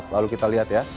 lalu kita lihat ya